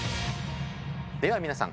では皆さん。